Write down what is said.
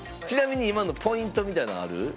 ちなみに今のポイントみたいなんある？